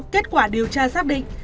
kết quả điều tra xác định